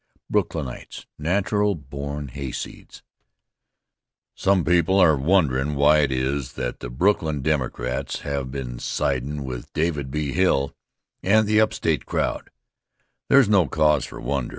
Brooklynites Natural Born Hayseeds SOME people are wonderin' why it is that the Brooklyn Democrats have been sidin' with David B. Hill and the upstate crowd. There's no cause for wonder.